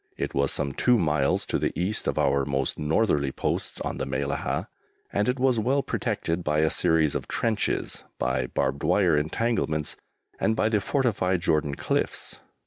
It was some two miles to the East of our most northerly posts on the Mellahah, and it was well protected by a series of trenches, by barbed wire entanglements, and by the fortified Jordan cliffs.